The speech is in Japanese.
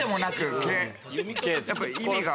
やっぱり意味が。